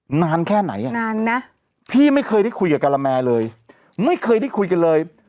นานแค่ไหนอ่ะนานนะพี่ไม่เคยได้คุยกับกะละแมเลยไม่เคยได้คุยกันเลย